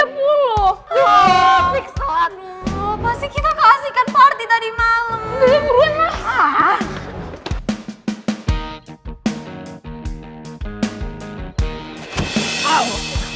pasti kita keasikan party tadi malem